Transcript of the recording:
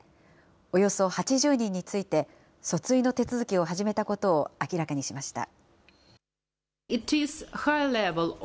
およそ８０人について、訴追の手続きを始めたことを明らかにしました。